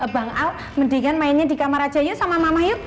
bang al mendingan mainnya di kamar aja yuk sama mama yuk